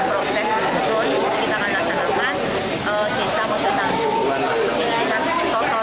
pembelian mobil dinas penanganan pendukung pembinaan